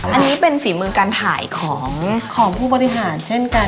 อันนี้เป็นฝีมือการถ่ายของผู้บริหารเช่นกัน